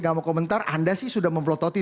nggak mau komentar anda sih sudah memprototi